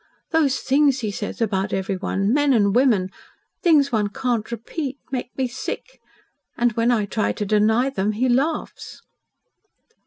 Those things he says about everyone men and women things one can't repeat make me sick. And when I try to deny them, he laughs."